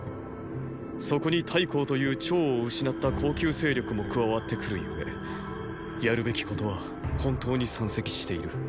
そこに太后という長を失った後宮勢力も加わってくる故やるべきことは本当に山積している。